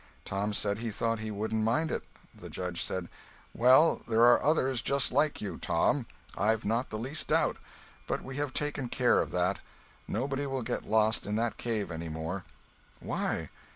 Tom said he thought he wouldn't mind it. The Judge said: "Well, there are others just like you, Tom, I've not the least doubt. But we have taken care of that. Nobody will get lost in that cave any more." "Why?"